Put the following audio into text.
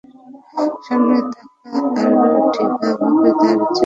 সামনে তাকা আর ঠিকভাবে গাড়ি চালা!